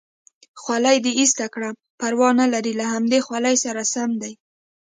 خولۍ دې ایسته کړه، پروا نه لري له همدې خولۍ سره سم دی.